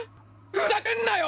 ふざけんなよ！